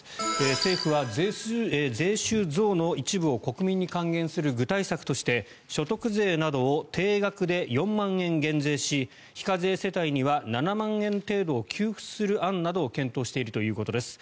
政府は税収増の一部を国民に還元する具体策として所得税などを定額で４万円減税し非課税世帯には７万円程度を給付する案などを検討しているということです。